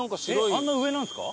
あんな上なんですか？